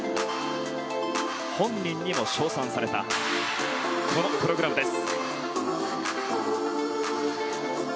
本人にも称賛されたこのプログラムです。